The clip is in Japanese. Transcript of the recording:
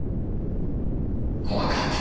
怖かった。